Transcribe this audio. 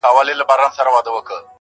په رڼا كي يې پر زړه ځانمرگى وسي